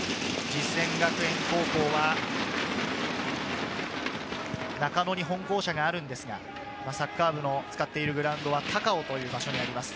実践学園高校は中野に本校舎があるんですが、サッカー部の使っているグラウンドは高尾という場所にあります。